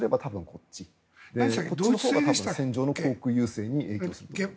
こっちのほうが戦場の航空優勢に影響すると思います。